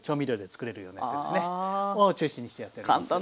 を中心にしてやっております。